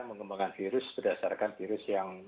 mengembangkan virus berdasarkan virus yang